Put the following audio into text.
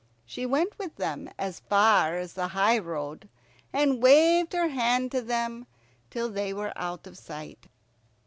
She went with them as far as the highroad, and waved her hand to them till they were out of sight.